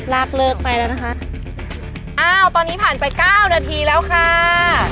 ลากเลิกไปแล้วนะคะอ้าวตอนนี้ผ่านไปเก้านาทีแล้วค่ะ